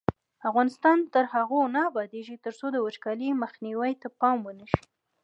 افغانستان تر هغو نه ابادیږي، ترڅو د وچکالۍ مخنیوي ته پام ونشي.